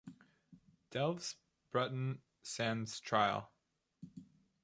Delves Broughton stands trial.